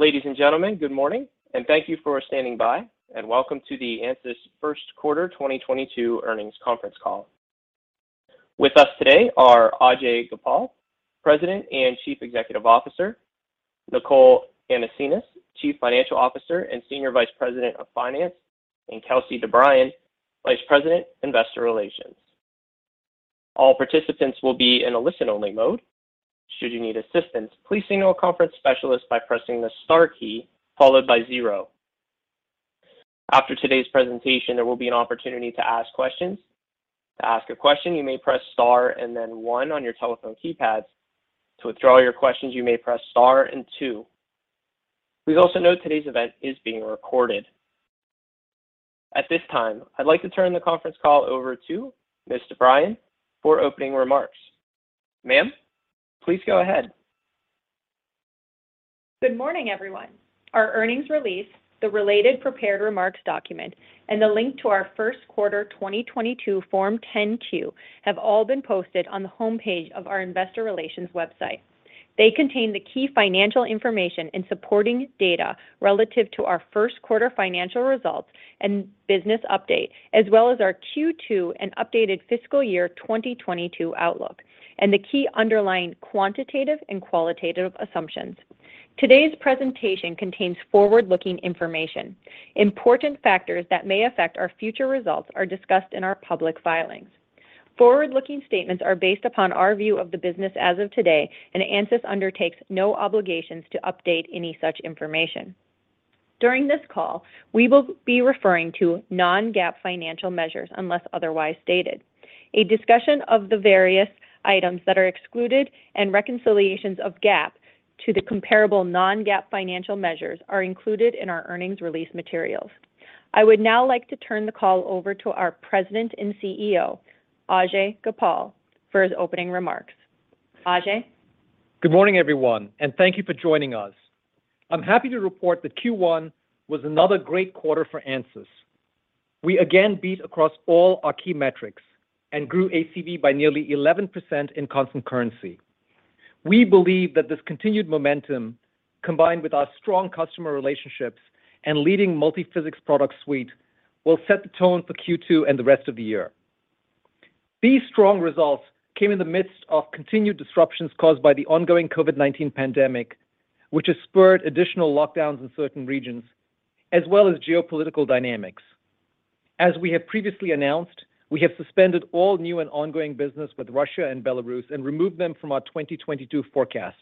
Ladies and gentlemen, good morning, and thank you for standing by, and welcome to the Ansys Q1 2022 Earnings Conference Call. With us today are Ajei Gopal, President and Chief Executive Officer, Nicole Anasenes, Chief Financial Officer and Senior Vice President of Finance, and Kelsey DeBriyn, Vice President, Investor Relations. All participants will be in a listen-only mode. Should you need assistance, please signal a conference specialist by pressing the star key followed by zero. After today's presentation, there will be an opportunity to ask questions. To ask a question, you may press star and then one on your telephone keypads. To withdraw your questions, you may press star and two. Please also note today's event is being recorded. At this time, I'd like to turn the conference call over to Ms. DeBriyn for opening remarks. Ma'am, please go ahead. Good morning, everyone. Our earnings release, the related prepared remarks document, and the link to our Q1 2022 Form 10-Q have all been posted on the homepage of our investor relations website. They contain the key financial information and supporting data relative to our Q1 financial results and business update, as well as our Q2 and updated fiscal year 2022 outlook, and the key underlying quantitative and qualitative assumptions. Today's presentation contains forward-looking information. Important factors that may affect our future results are discussed in our public filings. Forward-looking statements are based upon our view of the business as of today, and Ansys undertakes no obligations to update any such information. During this call, we will be referring to non-GAAP financial measures unless otherwise stated. A discussion of the various items that are excluded and reconciliations of GAAP to the comparable non-GAAP financial measures are included in our earnings release materials. I would now like to turn the call over to our President and CEO, Ajei Gopal, for his opening remarks. Ajei? Good morning, everyone, and thank you for joining us. I'm happy to report that Q1 was another great quarter for Ansys. We again beat across all our key metrics and grew ACV by nearly 11% in constant currency. We believe that this continued momentum, combined with our strong customer relationships and leading multi-physics product suite, will set the tone for Q2 and the rest of the year. These strong results came in the midst of continued disruptions caused by the ongoing COVID-19 pandemic, which has spurred additional lockdowns in certain regions, as well as geopolitical dynamics. As we have previously announced, we have suspended all new and ongoing business with Russia and Belarus and removed them from our 2022 forecast.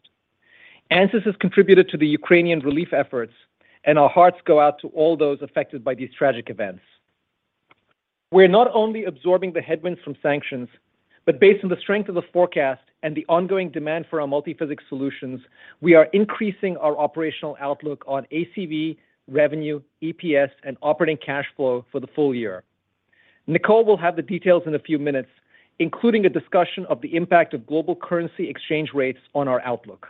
Ansys has contributed to the Ukrainian relief efforts, and our hearts go out to all those affected by these tragic events. We're not only absorbing the headwinds from sanctions, but based on the strength of the forecast and the ongoing demand for our multi-physics solutions, we are increasing our operational outlook on ACV, revenue, EPS, and operating cash flow for the full year. Nicole will have the details in a few minutes, including a discussion of the impact of global currency exchange rates on our outlook.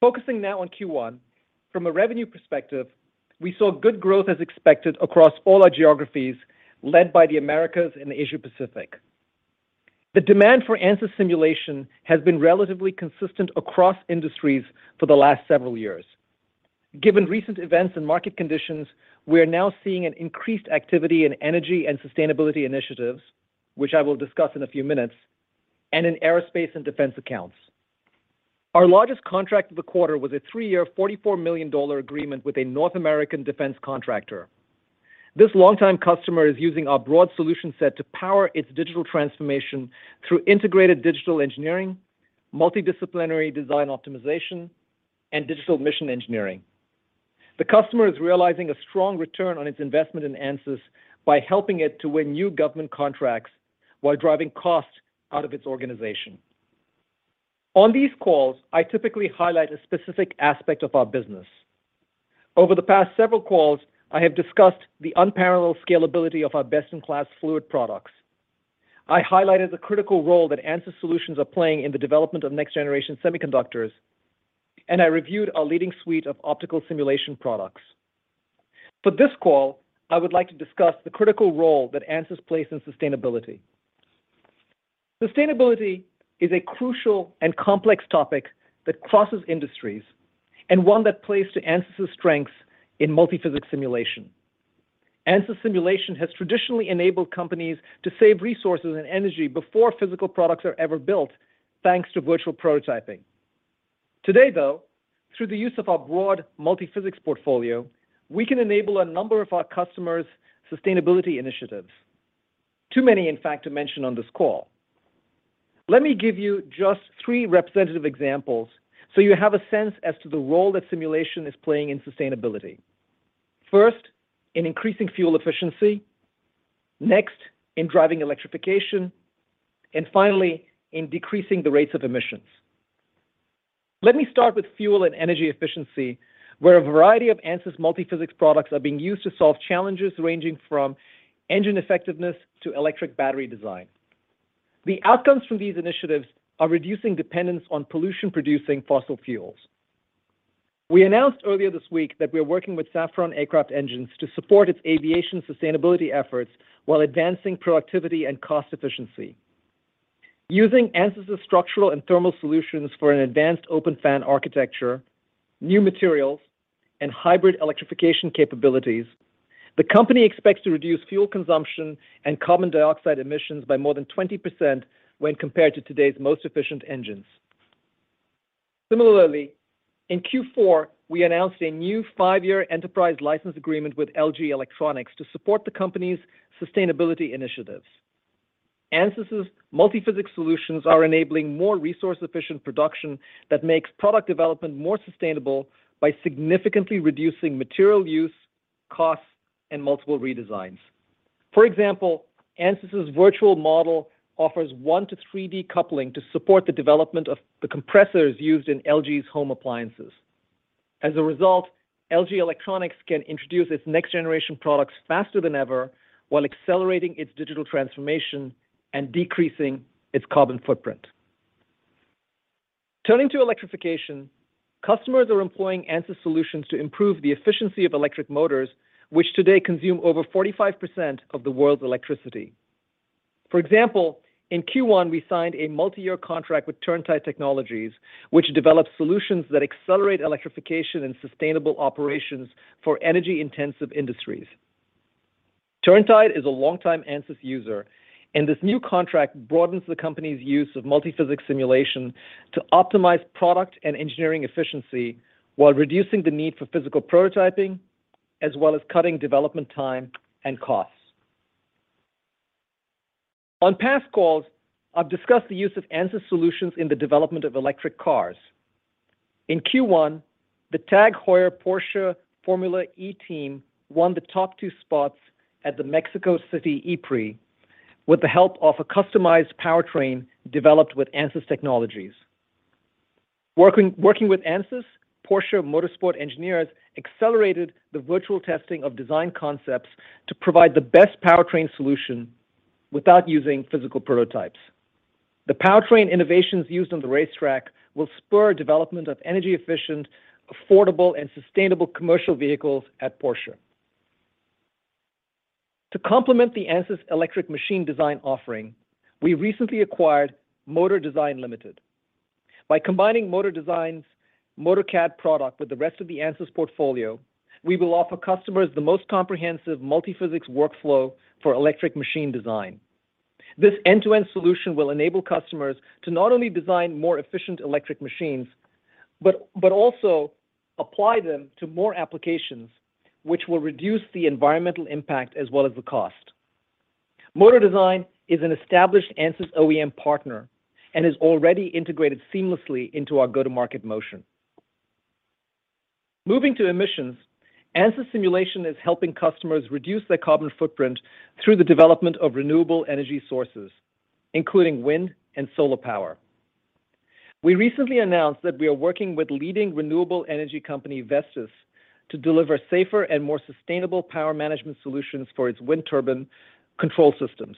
Focusing now on Q1, from a revenue perspective, we saw good growth as expected across all our geographies, led by the Americas and the Asia Pacific. The demand for Ansys simulation has been relatively consistent across industries for the last several years. Given recent events and market conditions, we are now seeing an increased activity in energy and sustainability initiatives, which I will discuss in a few minutes, and in aerospace and defense accounts. Our largest contract of the quarter was a three-year, $44 million agreement with a North American defense contractor. This longtime customer is using our broad solution set to power its digital transformation through integrated digital engineering, multidisciplinary design optimization, and digital mission engineering. The customer is realizing a strong return on its investment in Ansys by helping it to win new government contracts while driving costs out of its organization. On these calls, I typically highlight a specific aspect of our business. Over the past several calls, I have discussed the unparalleled scalability of our best-in-class fluid products. I highlighted the critical role that Ansys solutions are playing in the development of next-generation semiconductors, and I reviewed our leading suite of optical simulation products. For this call, I would like to discuss the critical role that Ansys plays in sustainability. Sustainability is a crucial and complex topic that crosses industries and one that plays to Ansys' strengths in multi-physics simulation. Ansys simulation has traditionally enabled companies to save resources and energy before physical products are ever built, thanks to virtual prototyping. Today, though, through the use of our broad multi-physics portfolio, we can enable a number of our customers' sustainability initiatives. Too many, in fact, to mention on this call. Let me give you just three representative examples, so you have a sense as to the role that simulation is playing in sustainability. First, in increasing fuel efficiency. Next, in driving electrification. Finally, in decreasing the rates of emissions. Let me start with fuel and energy efficiency, where a variety of Ansys multi-physics products are being used to solve challenges ranging from engine effectiveness to electric battery design. The outcomes from these initiatives are reducing dependence on pollution-producing fossil fuels. We announced earlier this week that we are working with Safran Aircraft Engines to support its aviation sustainability efforts while advancing productivity and cost efficiency. Using Ansys's structural and thermal solutions for an advanced open fan architecture, new materials, and hybrid electrification capabilities, the company expects to reduce fuel consumption and carbon dioxide emissions by more than 20% when compared to today's most efficient engines. Similarly, in Q4, we announced a new five-year enterprise license agreement with LG Electronics to support the company's sustainability initiatives. Ansys's multi-physics solutions are enabling more resource-efficient production that makes product development more sustainable by significantly reducing material use, costs, and multiple redesigns. For example, Ansys's virtual model offers 1-to-3D coupling to support the development of the compressors used in LG's home appliances. As a result, LG Electronics can introduce its next-generation products faster than ever while accelerating its digital transformation and decreasing its carbon footprint. Turning to electrification, customers are employing Ansys solutions to improve the efficiency of electric motors, which today consume over 45% of the world's electricity. For example, in Q1, we signed a multi-year contract with Turntide Technologies, which develops solutions that accelerate electrification and sustainable operations for energy-intensive industries. Turntide is a longtime Ansys user, and this new contract broadens the company's use of multi-physics simulation to optimize product and engineering efficiency while reducing the need for physical prototyping, as well as cutting development time and costs. On past calls, I've discussed the use of Ansys solutions in the development of electric cars. In Q1, the TAG Heuer Porsche Formula E Team won the top two spots at the Mexico City ePrix with the help of a customized powertrain developed with Ansys technologies. Working with Ansys, Porsche Motorsport engineers accelerated the virtual testing of design concepts to provide the best powertrain solution without using physical prototypes. The powertrain innovations used on the racetrack will spur development of energy-efficient, affordable, and sustainable commercial vehicles at Porsche. To complement the Ansys electric machine design offering, we recently acquired Motor Design Limited. By combining Motor Design's Motor-CAD product with the rest of the Ansys portfolio, we will offer customers the most comprehensive multi-physics workflow for electric machine design. This end-to-end solution will enable customers to not only design more efficient electric machines, but also apply them to more applications, which will reduce the environmental impact as well as the cost. Motor Design is an established Ansys OEM partner and is already integrated seamlessly into our go-to-market model. Moving to emissions, Ansys simulation is helping customers reduce their carbon footprint through the development of renewable energy sources, including wind and solar power. We recently announced that we are working with leading renewable energy company, Vestas, to deliver safer and more sustainable power management solutions for its wind turbine control systems.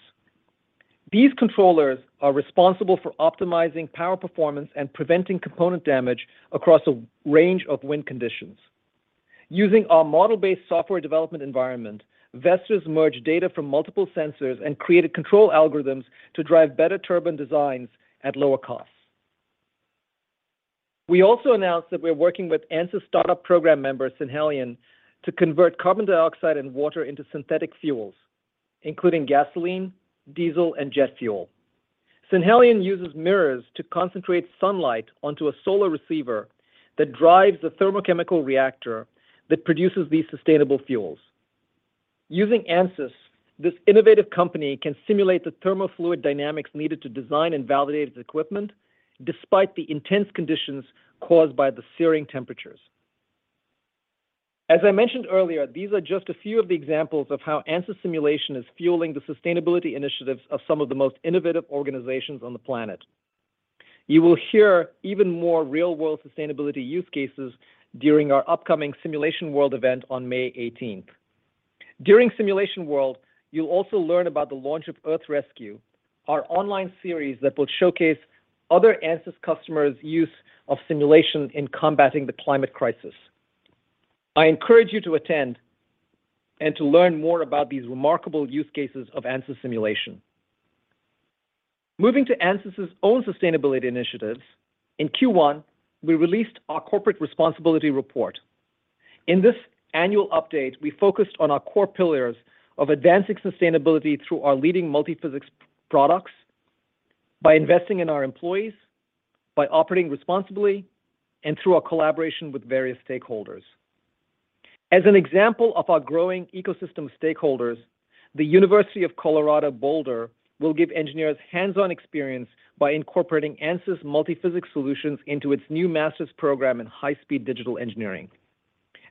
These controllers are responsible for optimizing power performance and preventing component damage across a range of wind conditions. Using our model-based software development environment, Vestas merged data from multiple sensors and created control algorithms to drive better turbine designs at lower costs. We also announced that we're working with Ansys Startup Program member, Synhelion, to convert carbon dioxide and water into synthetic fuels, including gasoline, diesel, and jet fuel. Synhelion uses mirrors to concentrate sunlight onto a solar receiver that drives a thermochemical reactor that produces these sustainable fuels. Using Ansys, this innovative company can simulate the thermal fluid dynamics needed to design and validate its equipment despite the intense conditions caused by the searing temperatures. As I mentioned earlier, these are just a few of the examples of how Ansys simulation is fueling the sustainability initiatives of some of the most innovative organizations on the planet. You will hear even more real-world sustainability use cases during our upcoming Simulation World event on May 18. During Simulation World, you'll also learn about the launch of Earth Rescue, our online series that will showcase other Ansys customers' use of simulation in combating the climate crisis. I encourage you to attend and to learn more about these remarkable use cases of Ansys simulation. Moving to Ansys's own sustainability initiatives, in Q1, we released our corporate responsibility report. In this annual update, we focused on our core pillars of advancing sustainability through our leading multi-physics products by investing in our employees, by operating responsibly, and through our collaboration with various stakeholders. As an example of our growing ecosystem stakeholders, the University of Colorado Boulder will give engineers hands-on experience by incorporating Ansys multi-physics solutions into its new master's program in high-speed digital engineering.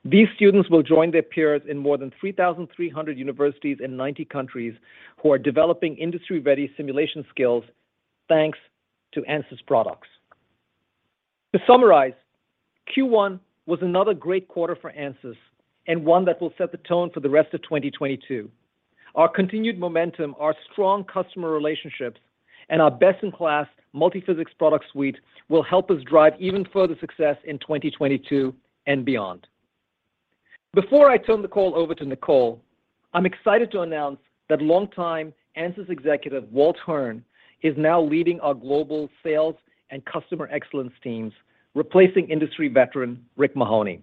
These students will join their peers in more than 3,300 universities in 90 countries who are developing industry-ready simulation skills, thanks to Ansys products. To summarize, Q1 was another great quarter for Ansys and one that will set the tone for the rest of 2022. Our continued momentum, our strong customer relationships, and our best-in-class multi-physics product suite will help us drive even further success in 2022 and beyond. Before I turn the call over to Nicole, I'm excited to announce that longtime Ansys executive Walt Hearn is now leading our global sales and customer excellence teams, replacing industry veteran Rick Mahoney.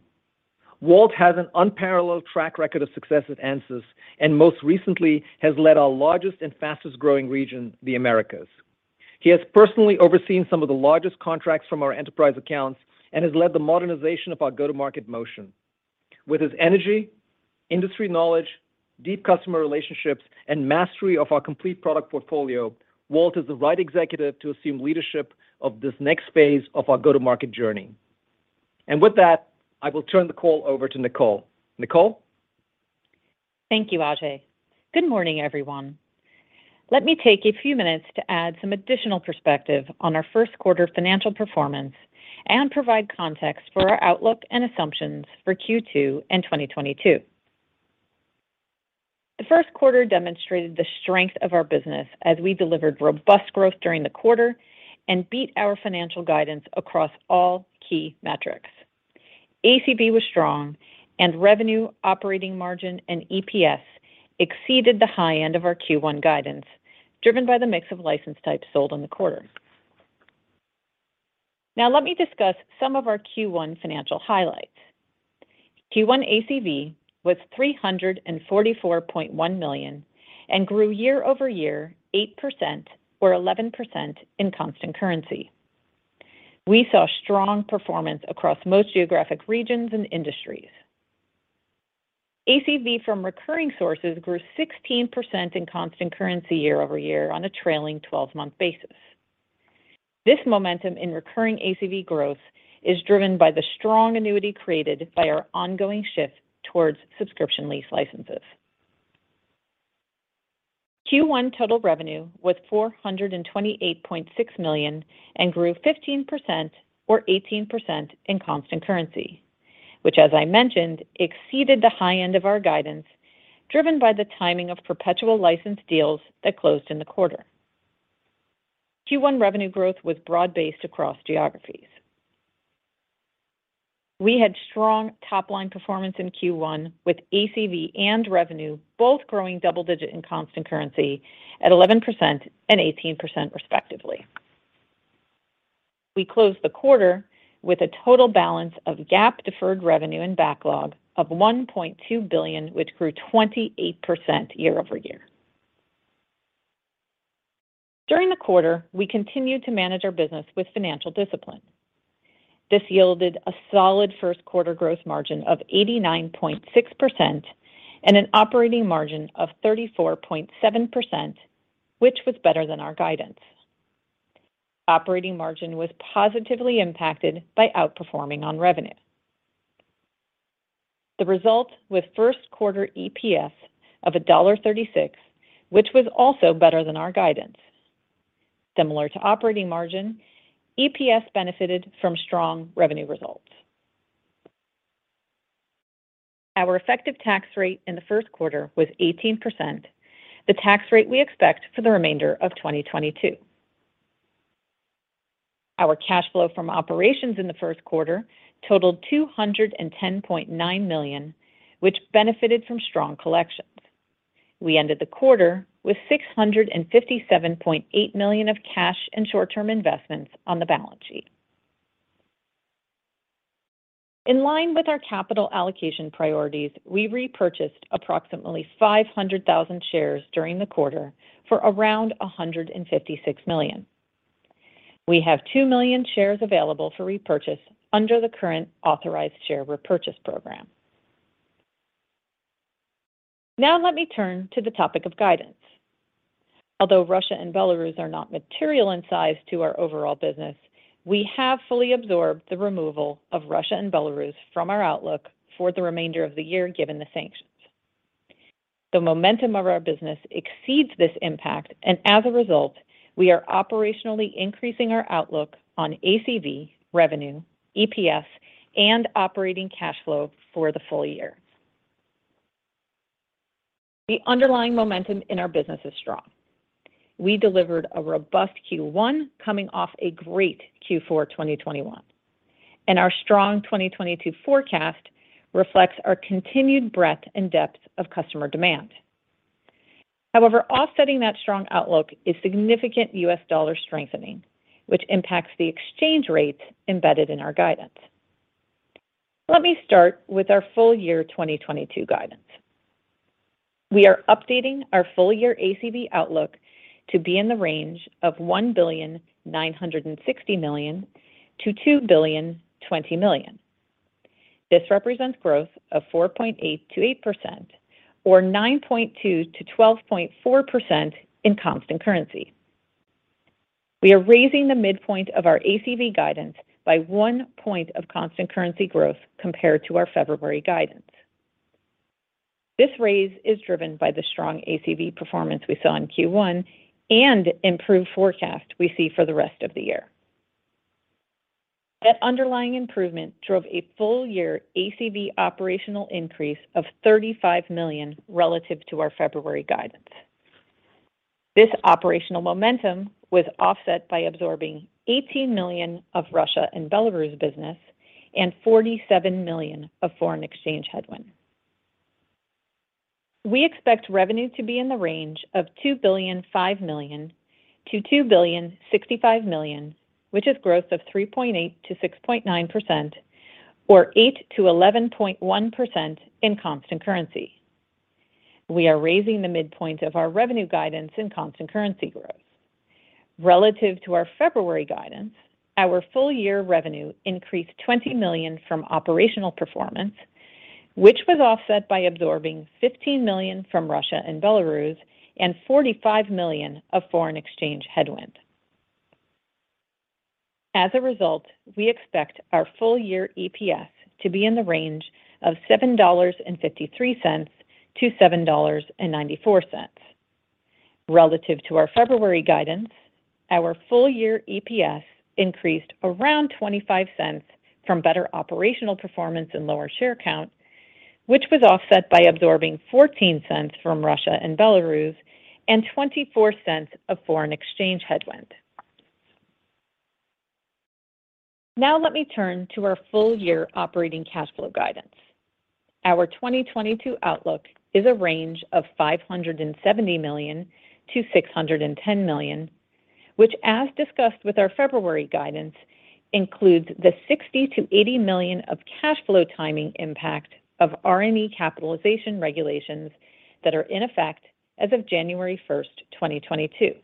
Walt has an unparalleled track record of success at Ansys, and most recently has led our largest and fastest-growing region, the Americas. He has personally overseen some of the largest contracts from our enterprise accounts and has led the modernization of our go-to-market motion. With his energy, industry knowledge, deep customer relationships, and mastery of our complete product portfolio, Walt is the right executive to assume leadership of this next phase of our go-to-market journey. With that, I will turn the call over to Nicole. Nicole? Thank you, Ajei. Good morning, everyone. Let me take a few minutes to add some additional perspective on our Q1 financial performance and provide context for our outlook and assumptions for Q2 and 2022. Q1 demonstrated the strength of our business as we delivered robust growth during the quarter and beat our financial guidance across all key metrics. ACV was strong, and revenue, operating margin, and EPS exceeded the high end of our Q1 guidance, driven by the mix of license types sold in the quarter. Now let me discuss some of our Q1 financial highlights. Q1 ACV was $344.1 million and grew year-over-year 8% or 11% in constant currency. We saw strong performance across most geographic regions and industries. ACV from recurring sources grew 16% in constant currency year-over-year on a trailing twelve-month basis. This momentum in recurring ACV growth is driven by the strong annuity created by our ongoing shift towards subscription lease licenses. Q1 total revenue was $428.6 million and grew 15% or 18% in constant currency, which as I mentioned, exceeded the high end of our guidance, driven by the timing of perpetual license deals that closed in the quarter. Q1 revenue growth was broad-based across geographies. We had strong top-line performance in Q1 with ACV and revenue both growing double digit in constant currency at 11% and 18% respectively. We closed the quarter with a total balance of GAAP deferred revenue and backlog of $1.2 billion, which grew 28% year-over-year. During the quarter, we continued to manage our business with financial discipline. This yielded a solid Q1 gross margin of 89.6% and an operating margin of 34.7%, which was better than our guidance. Operating margin was positively impacted by outperforming on revenue. The result with Q1 EPS of $1.36, which was also better than our guidance. Similar to operating margin, EPS benefited from strong revenue results. Our effective tax rate in Q1 was 18%, the tax rate we expect for the remainder of 2022. Our cash flow from operations in Q1 totaled $210.9 million, which benefited from strong collections. We ended the quarter with $657.8 million of cash and short-term investments on the balance sheet. In line with our capital allocation priorities, we repurchased approximately 500,000 shares during the quarter for around $156 million. We have two million shares available for repurchase under the current authorized share repurchase program. Now let me turn to the topic of guidance. Although Russia and Belarus are not material in size to our overall business, we have fully absorbed the removal of Russia and Belarus from our outlook for the remainder of the year, given the sanctions. The momentum of our business exceeds this impact, and as a result, we are operationally increasing our outlook on ACV, revenue, EPS, and operating cash flow for the full year. The underlying momentum in our business is strong. We delivered a robust Q1 coming off a great Q4 2021. Our strong 2022 forecast reflects our continued breadth and depth of customer demand. However, offsetting that strong outlook is significant U.S. dollar strengthening, which impacts the exchange rates embedded in our guidance. Let me start with our full year 2022 guidance. We are updating our full year ACV outlook to be in the range of $1.96-2.02 billion. This represents growth of 4.8%-8% or 9.2%-12.4% in constant currency. We are raising the midpoint of our ACV guidance by one point of constant currency growth compared to our February guidance. This raise is driven by the strong ACV performance we saw in Q1 and improved forecast we see for the rest of the year. That underlying improvement drove a full year ACV operational increase of $35 million relative to our February guidance. This operational momentum was offset by absorbing $18 million of Russia and Belarus business and $47 million of foreign exchange headwind. We expect revenue to be in the range of $2.005-2.065 billion, which is growth of 3.8%-6.9% or 8%-11.1% in constant currency. We are raising the midpoint of our revenue guidance in constant currency growth. Relative to our February guidance, our full year revenue increased $20 million from operational performance, which was offset by absorbing $15 million from Russia and Belarus and $45 million of foreign exchange headwind. As a result, we expect our full year EPS to be in the range of $7.53-7.94. Relative to our February guidance, our full year EPS increased around $0.25 from better operational performance and lower share count, which was offset by absorbing $0.14 from Russia and Belarus and $0.24 of foreign exchange headwind. Now let me turn to our full year operating cash flow guidance. Our 2022 outlook is a range of $570-610 million, which as discussed with our February guidance, includes the $60-80 million of cash flow timing impact of R&E capitalization regulations that are in effect as of January 1, 2022.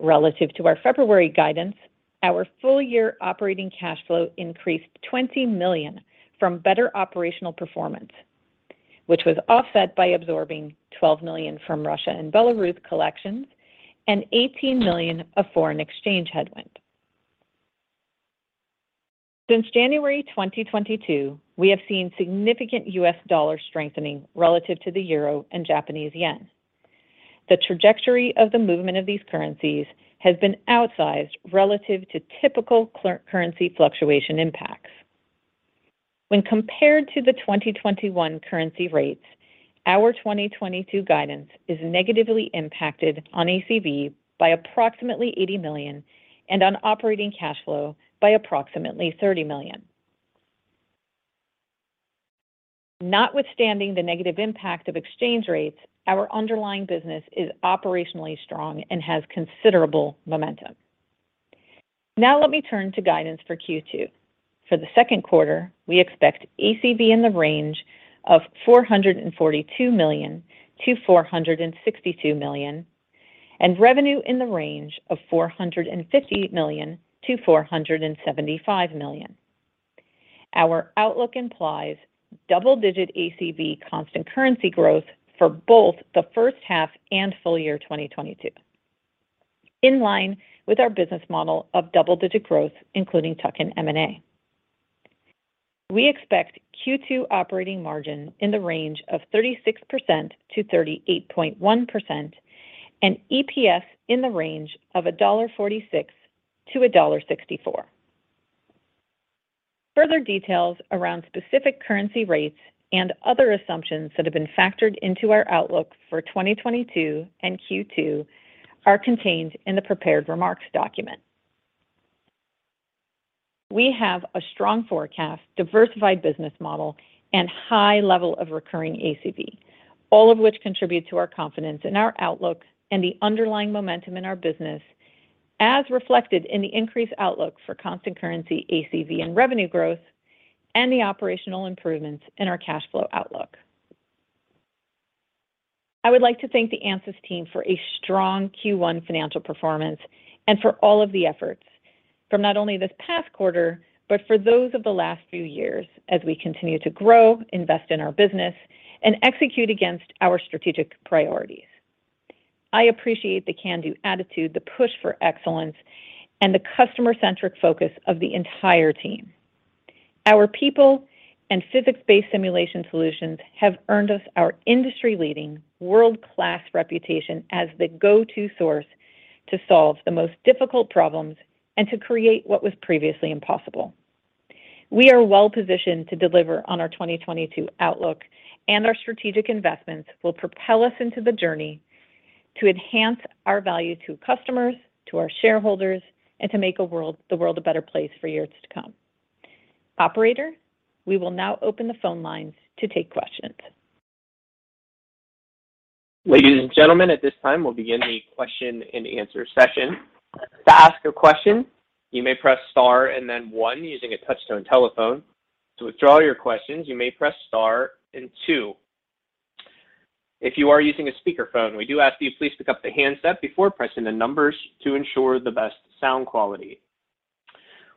Relative to our February guidance, our full year operating cash flow increased $20 million from better operational performance, which was offset by absorbing $12 million from Russia and Belarus collections and $18 million of foreign exchange headwind. Since January 2022, we have seen significant U.S. dollar strengthening relative to the euro and Japanese yen. The trajectory of the movement of these currencies has been outsized relative to typical currency fluctuation impacts. When compared to the 2021 currency rates, our 2022 guidance is negatively impacted on ACV by approximately $80 million and on operating cash flow by approximately $30 million. Notwithstanding the negative impact of exchange rates, our underlying business is operationally strong and has considerable momentum. Now let me turn to guidance for Q2. For the second quarter, we expect ACV in the range of $442-462 million, and revenue in the range of $450-475 million. Our outlook implies double-digit ACV constant currency growth for both the first half and full year 2022, in line with our business model of double-digit growth, including tuck-in M&A. We expect Q2 operating margin in the range of 36%-38.1% and EPS in the range of $1.46-1.64. Further details around specific currency rates and other assumptions that have been factored into our outlook for 2022 and Q2 are contained in the prepared remarks document. We have a strong forecast, diversified business model, and high level of recurring ACV, all of which contribute to our confidence in our outlook and the underlying momentum in our business, as reflected in the increased outlook for constant currency ACV and revenue growth and the operational improvements in our cash flow outlook. I would like to thank the Ansys team for a strong Q1 financial performance and for all of the efforts from not only this past quarter, but for those of the last few years as we continue to grow, invest in our business, and execute against our strategic priorities. I appreciate the can-do attitude, the push for excellence, and the customer-centric focus of the entire team. Our people and physics-based simulation solutions have earned us our industry-leading, world-class reputation as the go-to source to solve the most difficult problems and to create what was previously impossible. We are well positioned to deliver on our 2022 outlook, and our strategic investments will propel us into the journey to enhance our value to customers, to our shareholders, and to make the world a better place for years to come. Operator, we will now open the phone lines to take questions. Ladies and gentlemen, at this time, we'll begin the question and answer session. To ask a question, you may press star and then one using a touch-tone telephone. To withdraw your questions, you may press star and two. If you are using a speakerphone, we do ask that you please pick up the handset before pressing the numbers to ensure the best sound quality.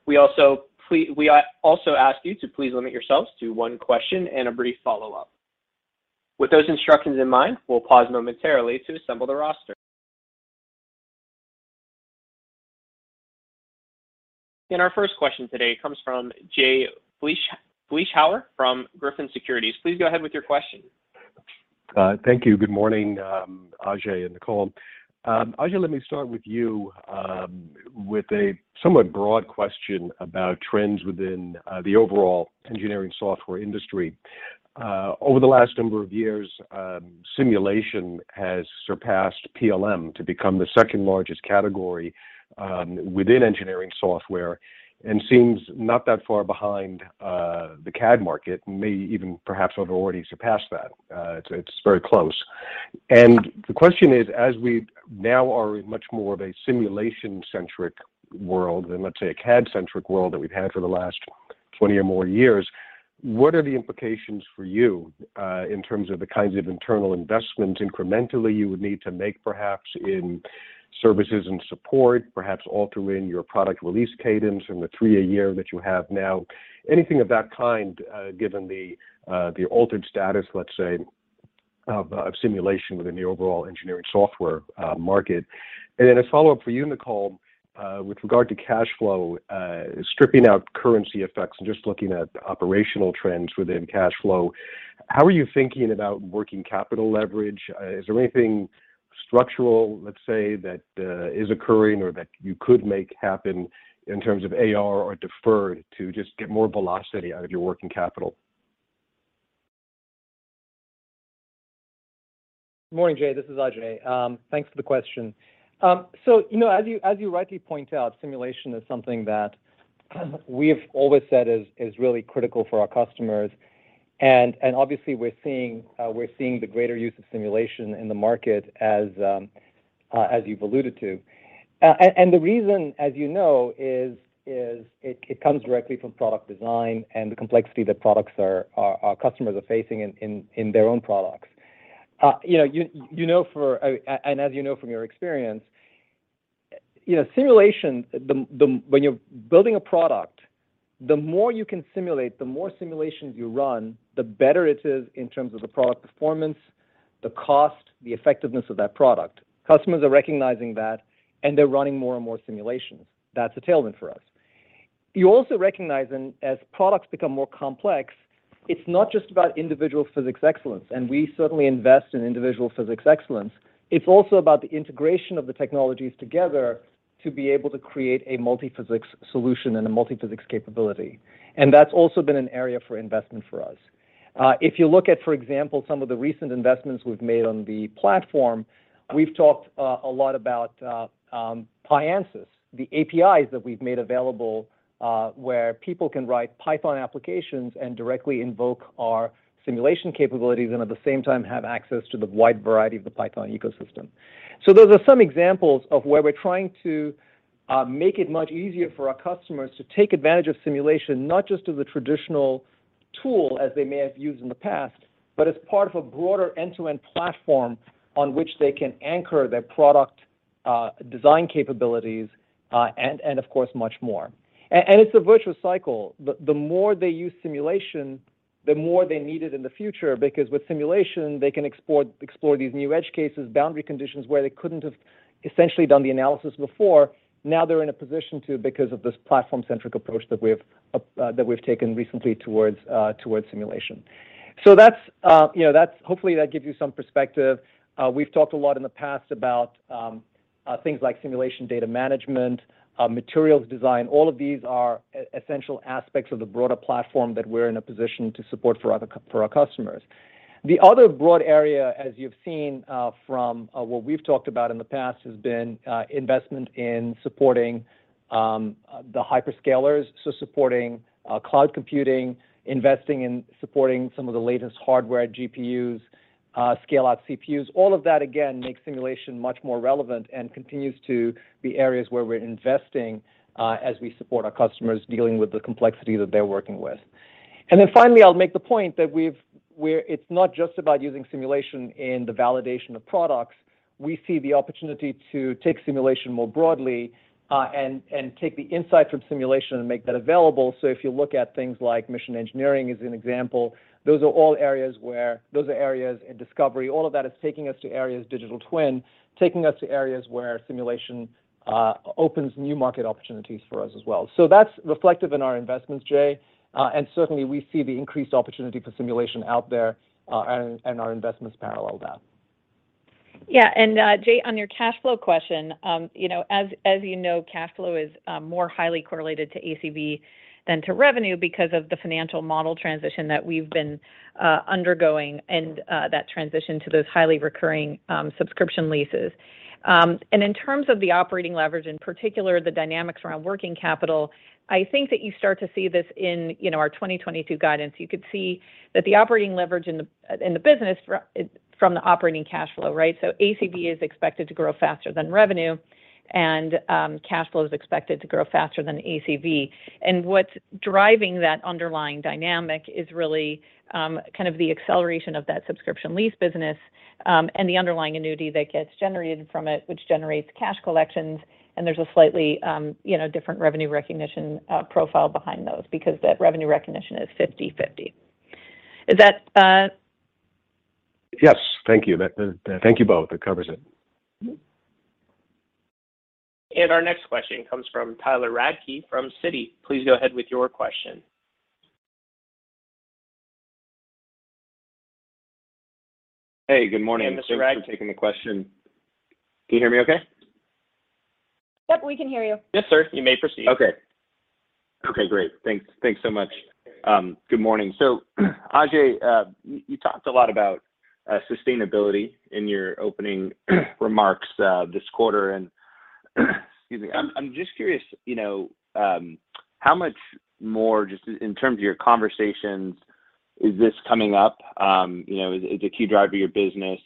We also ask you to please limit yourselves to one question and a brief follow-up. With those instructions in mind, we'll pause momentarily to assemble the roster. Our first question today comes from Jay Vleeschhouwer from Griffin Securities. Please go ahead with your question. Thank you. Good morning, Ajei and Nicole. Ajei, let me start with you, with a somewhat broad question about trends within the overall engineering software industry. Over the last number of years, simulation has surpassed PLM to become the second-largest category within engineering software and seems not that far behind the CAD market, may even perhaps have already surpassed that. It's very close. The question is, as we now are in much more of a simulation-centric world than, let's say, a CAD-centric world that we've had for the last 20 or more years, what are the implications for you in terms of the kinds of internal investments incrementally you would need to make perhaps in services and support, perhaps altering your product release cadence from the three a year that you have now, anything of that kind, given the altered status, let's say, of simulation within the overall engineering software market? A follow-up for you, Nicole, with regard to cash flow, stripping out currency effects and just looking at the operational trends within cash flow, how are you thinking about working capital leverage? Is there anything structural, let's say, that is occurring or that you could make happen in terms of AR or deferred to just get more velocity out of your working capital? Good morning, Jay. This is Ajei. Thanks for the question. You know, as you rightly point out, simulation is something that we've always said is really critical for our customers. Obviously, we're seeing the greater use of simulation in the market as you've alluded to. The reason, as you know, is that it comes directly from product design and the complexity that our customers are facing in their own products. You know, as you know from your experience, you know, simulation. When you're building a product, the more you can simulate, the more simulations you run, the better it is in terms of the product performance, the cost, the effectiveness of that product. Customers are recognizing that, and they're running more and more simulations. That's a tailwind for us. You also recognize then as products become more complex, it's not just about individual physics excellence, and we certainly invest in individual physics excellence. It's also about the integration of the technologies together to be able to create a multiphysics solution and a multiphysics capability. That's also been an area for investment for us. If you look at, for example, some of the recent investments we've made on the platform, we've talked a lot about PyAnsys, the APIs that we've made available, where people can write Python applications and directly invoke our simulation capabilities and at the same time have access to the wide variety of the Python ecosystem. Those are some examples of where we're trying to make it much easier for our customers to take advantage of simulation, not just as a traditional tool as they may have used in the past, but as part of a broader end-to-end platform on which they can anchor their product design capabilities, and of course, much more. It's a virtuous cycle. The more they use simulation, the more they need it in the future because with simulation they can explore these new edge cases, boundary conditions where they couldn't have essentially done the analysis before. Now they're in a position to because of this platform-centric approach that we've taken recently towards simulation. That's, you know, that's. Hopefully, that gives you some perspective. We've talked a lot in the past about things like simulation data management, materials design. All of these are essential aspects of the broader platform that we're in a position to support for our customers. The other broad area, as you've seen, from what we've talked about in the past, has been investment in supporting the hyperscalers, so supporting cloud computing, investing in supporting some of the latest hardware GPUs, scale-out CPUs. All of that again makes simulation much more relevant and continues to be areas where we're investing as we support our customers dealing with the complexity that they're working with. Finally, I'll make the point that it's not just about using simulation in the validation of products. We see the opportunity to take simulation more broadly, and take the insights from simulation and make that available. If you look at things like mission engineering as an example, those are areas in discovery. All of that is taking us to areas, digital twin, taking us to areas where simulation opens new market opportunities for us as well. That's reflective in our investments, Jay. Certainly, we see the increased opportunity for simulation out there, and our investments parallel that. Yeah. Jay, on your cash flow question, you know, as you know, cash flow is more highly correlated to ACV than to revenue because of the financial model transition that we've been undergoing and that transition to those highly recurring subscription leases. In terms of the operating leverage, in particular, the dynamics around working capital, I think that you start to see this in, you know, our 2022 guidance. You could see that the operating leverage in the business from the operating cash flow, right? ACV is expected to grow faster than revenue, and cash flow is expected to grow faster than ACV. What's driving that underlying dynamic is really kind of the acceleration of that subscription lease business and the underlying annuity that gets generated from it, which generates cash collections. There's a slightly you know different revenue recognition profile behind those because that revenue recognition is 50%-50%. Is that....... Yes. Thank you. Thank you both. That covers it. Mm-hmm. Our next question comes from Tyler Radke from Citi. Please go ahead with your question. Hey, good morning. Hey, Mr. Radke. Thanks for taking the question. Can you hear me okay? Yep, we can hear you. Yes, sir. You may proceed. Okay, great. Thanks so much. Good morning. Ajei, you talked a lot about sustainability in your opening remarks this quarter, and excuse me. I'm just curious, you know, how much more just in terms of your conversations is this coming up? You know, is it a key driver of your business?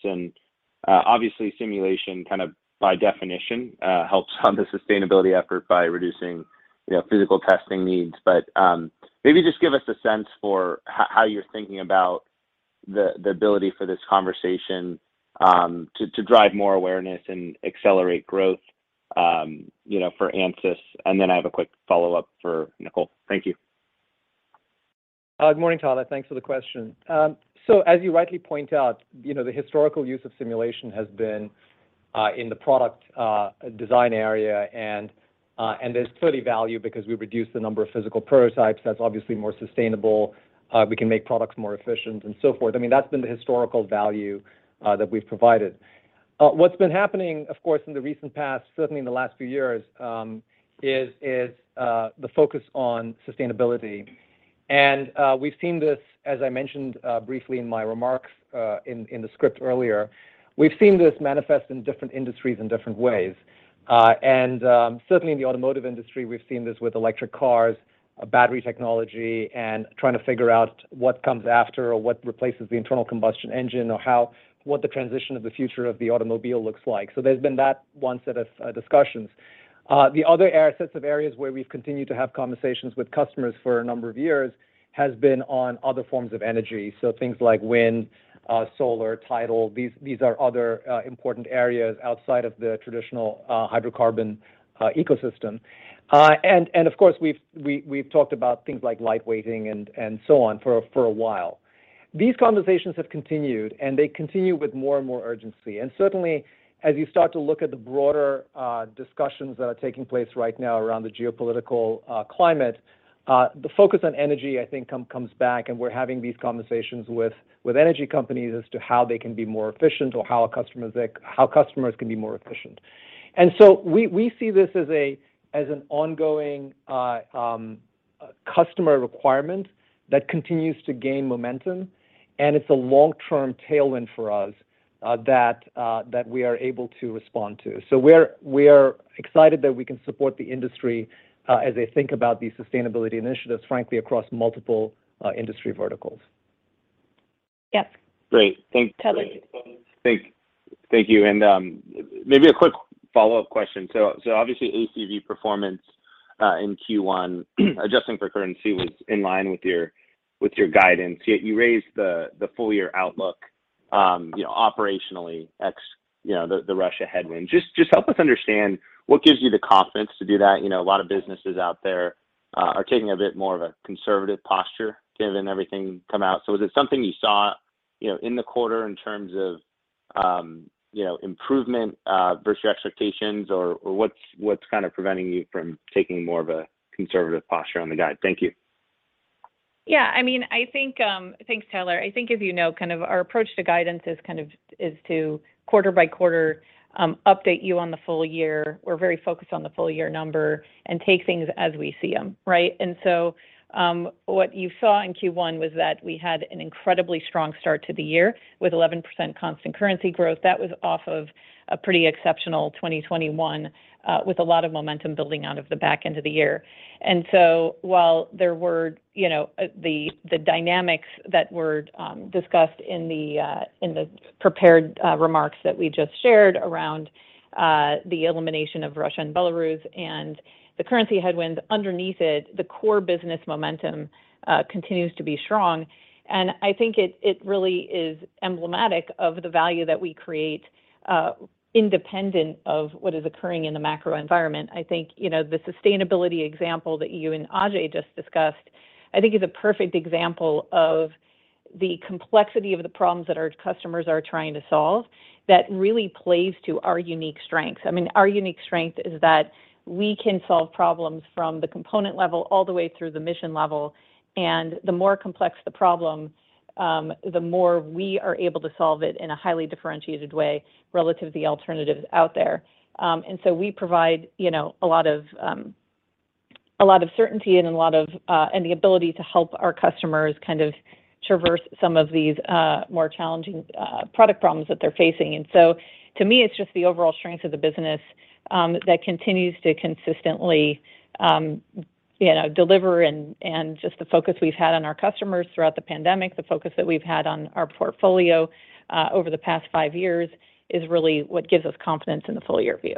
Obviously simulation kind of by definition helps on the sustainability effort by reducing, you know, physical testing needs. But maybe just give us a sense for how you're thinking about the ability for this conversation to drive more awareness and accelerate growth, you know, for Ansys. Then I have a quick follow-up for Nicole. Thank you. Good morning, Tyler. Thanks for the question. As you rightly point out, you know, the historical use of simulation has been in the product design area and there's clearly value because we reduce the number of physical prototypes that's obviously more sustainable. We can make products more efficient and so forth. I mean, that's been the historical value that we've provided. What's been happening, of course, in the recent past, certainly in the last few years, is the focus on sustainability. We've seen this, as I mentioned, briefly in my remarks, in the script earlier. We've seen this manifest in different industries in different ways. Certainly in the automotive industry, we've seen this with electric cars, battery technology, and trying to figure out what comes after or what replaces the internal combustion engine or what the transition of the future of the automobile looks like. So there's been that one set of discussions. The other sets of areas where we've continued to have conversations with customers for a number of years has been on other forms of energy. So things like wind, solar, tidal. These are other important areas outside of the traditional hydrocarbon ecosystem. Of course, we've talked about things like lightweighting and so on for a while. These conversations have continued, and they continue with more and more urgency. Certainly as you start to look at the broader discussions that are taking place right now around the geopolitical climate, the focus on energy, I think comes back, and we're having these conversations with energy companies as to how they can be more efficient or how customers can be more efficient. We see this as an ongoing customer requirement that continues to gain momentum, and it's a long-term tailwind for us that we are able to respond to. We are excited that we can support the industry as they think about these sustainability initiatives, frankly, across multiple industry verticals. Yep. Great. Tyler, you can go next. Thank you. Maybe a quick follow-up question. Obviously ACV performance in Q1, adjusting for currency, was in line with your guidance, yet you raised the full year outlook, you know, operationally ex the Russia headwind. Just help us understand what gives you the confidence to do that. You know, a lot of businesses out there are taking a bit more of a conservative posture given everything coming out. Was it something you saw, you know, in the quarter in terms of, you know, improvement versus your expectations or what's kind of preventing you from taking more of a conservative posture on the guide? Thank you. Yeah. I mean, I think, thanks, Tyler. I think if you know, kind of our approach to guidance is kind of to quarter by quarter update you on the full year. We're very focused on the full year number and take things as we see them, right? What you saw in Q1 was that we had an incredibly strong start to the year with 11% constant currency growth. That was off of a pretty exceptional 2021, with a lot of momentum building out of the back end of the year. While there were, you know, the dynamics that were discussed in the prepared remarks that we just shared around the elimination of Russia and Belarus and the currency headwind, underneath it, the core business momentum continues to be strong. I think it really is emblematic of the value that we create, independent of what is occurring in the macro environment. I think, you know, the sustainability example that you and Ajei just discussed, I think is a perfect example of the complexity of the problems that our customers are trying to solve that really plays to our unique strengths. I mean, our unique strength is that we can solve problems from the component level all the way through the mission level, and the more complex the problem, the more we are able to solve it in a highly differentiated way relative to the alternatives out there. We provide, you know, a lot of certainty and the ability to help our customers kind of traverse some of these more challenging product problems that they're facing. To me, it's just the overall strength of the business that continues to consistently, you know, deliver and just the focus we've had on our customers throughout the pandemic, the focus that we've had on our portfolio over the past five years is really what gives us confidence in the full year view.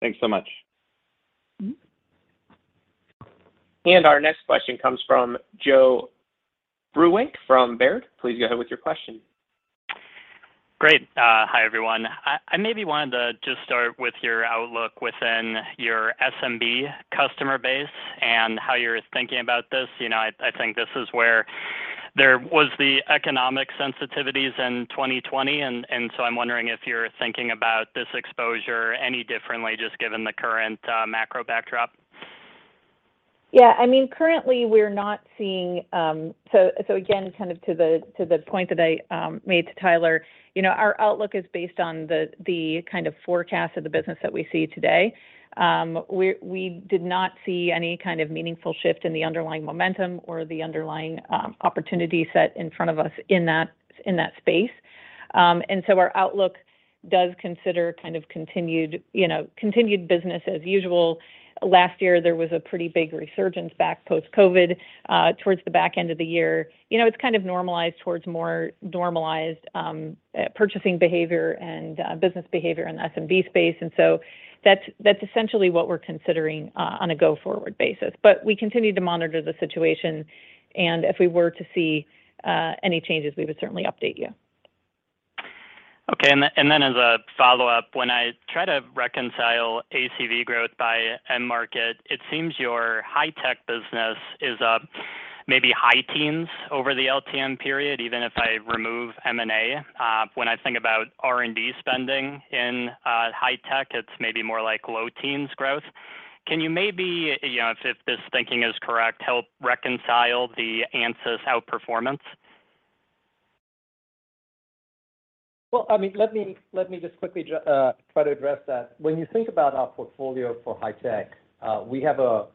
Thanks so much. Mm-hmm. Our next question comes from Joe Vruwink from Baird. Please go ahead with your question. Great. Hi, everyone. I maybe wanted to just start with your outlook within your SMB customer base and how you're thinking about this. I think this is where there was the economic sensitivities in 2020, and so I'm wondering if you're thinking about this exposure any differently just given the current macro backdrop. Yeah, I mean, currently we're not seeing. So again, kind of to the point that I made to Tyler, you know, our outlook is based on the kind of forecast of the business that we see today. We did not see any kind of meaningful shift in the underlying momentum or the underlying opportunity set in front of us in that space. Our outlook does consider kind of continued, you know, continued business as usual. Last year, there was a pretty big resurgence back post-COVID towards the back end of the year. You know, it's kind of normalized towards more normalized purchasing behavior and business behavior in the SMB space. That's essentially what we're considering on a go-forward basis. We continue to monitor the situation, and if we were to see any changes, we would certainly update you. As a follow-up, when I try to reconcile ACV growth by end market, it seems your high-tech business is maybe high teens over the LTM period, even if I remove M&A. When I think about R&D spending in high tech, it's maybe more like low teens growth. Can you maybe, you know, if this thinking is correct, help reconcile the Ansys outperformance? Well, I mean, let me just quickly try to address that. When you think about our portfolio for high tech, we have a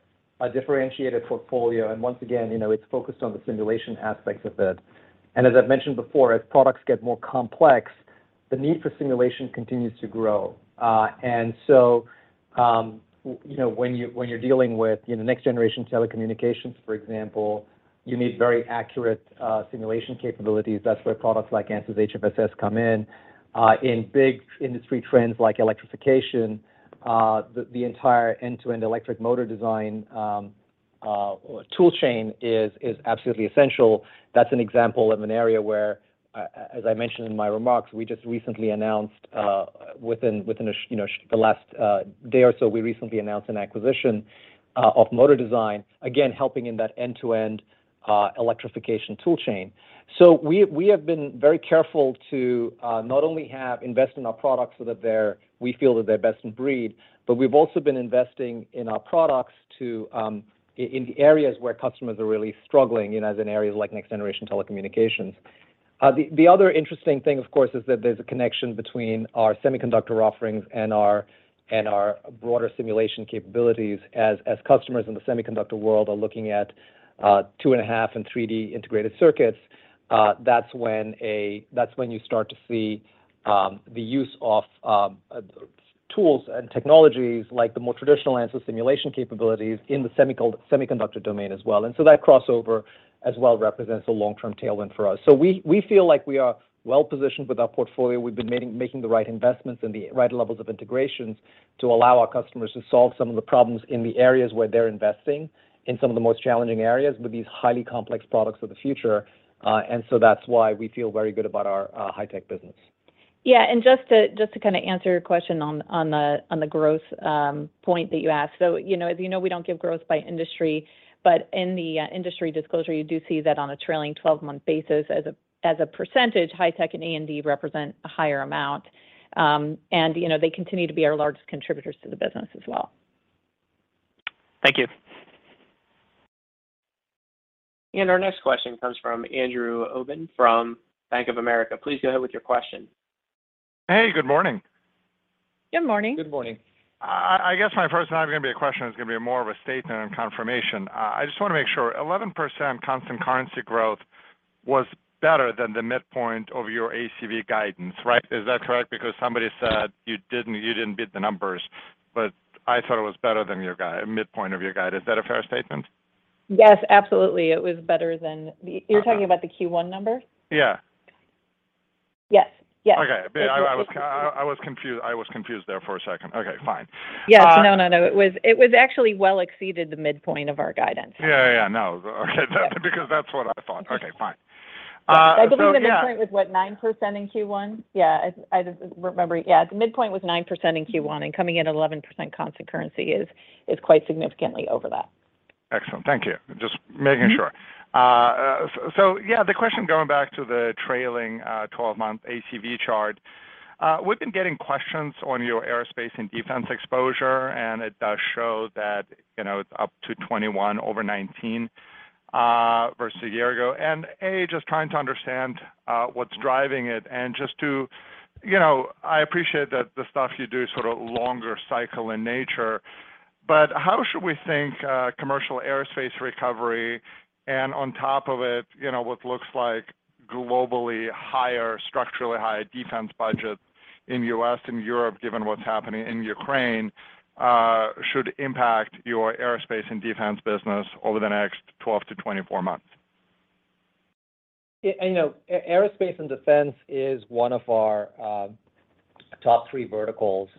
differentiated portfolio, and once again, you know, it's focused on the simulation aspects of it. As I've mentioned before, as products get more complex, the need for simulation continues to grow. You know, when you're dealing with next generation telecommunications, for example, you need very accurate simulation capabilities. That's where products like Ansys HFSS come in. In big industry trends like electrification, the entire end-to-end electric motor design tool chain is absolutely essential. That's an example of an area where as I mentioned in my remarks, we just recently announced within you know the last day or so, we recently announced an acquisition of Motor Design, again, helping in that end-to-end electrification tool chain. We have been very careful to not only invest in our products so that we feel that they're best in breed, but we've also been investing in our products in the areas where customers are really struggling, you know, as in areas like next-generation telecommunications. The other interesting thing, of course, is that there's a connection between our semiconductor offerings and our broader simulation capabilities as customers in the semiconductor world are looking at 2.5 and 3D integrated circuits. That's when you start to see the use of tools and technologies like the more traditional Ansys simulation capabilities in the semiconductor domain as well. That crossover as well represents a long-term tailwind for us. We feel like we are well positioned with our portfolio. We've been making the right investments and the right levels of integrations to allow our customers to solve some of the problems in the areas where they're investing in some of the most challenging areas with these highly complex products of the future. That's why we feel very good about our high-tech business. Yeah. Just to kind of answer your question on the growth point that you asked. You know, as you know, we don't give growth by industry, but in the industry disclosure, you do see that on a trailing 12-month basis as a percentage, high tech and A&D represent a higher amount. You know, they continue to be our largest contributors to the business as well. Thank you. Our next question comes from Andrew Obin from Bank of America. Please go ahead with your question. Hey, good morning. Good morning. Good morning. I guess my first one is not gonna be a question, it's gonna be more of a statement and confirmation. I just wanna make sure. 11% constant currency growth was better than the midpoint of your ACV guidance, right? Is that correct? Because somebody said you didn't beat the numbers, but I thought it was better than your midpoint of your guide. Is that a fair statement? Yes, absolutely. You're talking about the Q1 number? Yeah. Yes. Yes. Okay. I was confused there for a second. Okay, fine. Yes. No, it was actually well exceeded the midpoint of our guidance. Yeah, no. Okay. Because that's what I thought. Okay, fine. Yeah. I believe the midpoint was, what, 9% in Q1? Yeah. I just remember. Yeah. The midpoint was 9% in Q1, and coming in at 11% constant currency is quite significantly over that. Excellent. Thank you. Just making sure. Mm-hmm. Yeah, the question going back to the trailing 12-month ACV chart, we've been getting questions on your aerospace and defense exposure, and it does show that, you know, it's up to 21 over 19 versus a year ago. Just trying to understand what's driving it. You know, I appreciate that the stuff you do is sort of longer cycle in nature, but how should we think commercial aerospace recovery and on top of it, you know, what looks like globally higher, structurally higher defense budget in U.S. and Europe, given what's happening in Ukraine, should impact your aerospace and defense business over the next 12 to 24 months? Yeah. You know, aerospace and defense is one of our top three verticals.